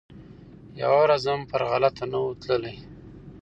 یوه ورځ هم پر غلطه نه وو تللی